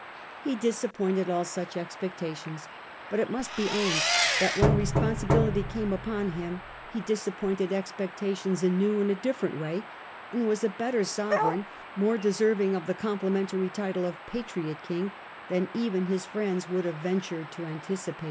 He disappointed all such expectations ; but it must be owned that when re sponsibility came upon him he disappointed expec tation anew in a different way, and was a better sovereign, more deserving of the complimentary title of patriot king, than even his friends would have ventured to anticipate.